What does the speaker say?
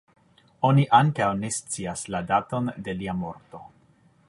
Oni ankaŭ ne scias la daton de lia morto.